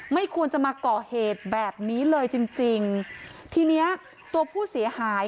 ไม่ควรจะมาก่อเหตุแบบนี้เลยจริงจริงทีเนี้ยตัวผู้เสียหาย